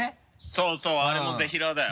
そうそうあれもぜひらーだよ。